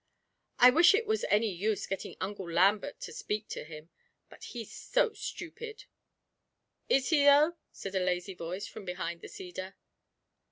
I wish it was any use getting Uncle Lambert to speak to him but he's so stupid!' 'Is he, though?' said a lazy voice from behind the cedar.